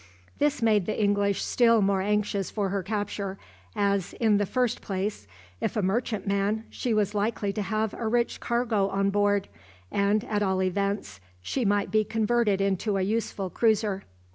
This made the English still more anxious for her capture, as, in the first place, if a merchantman, she was likely to have a rich cargo on board, and at all events she might be converted into a useful cruiser.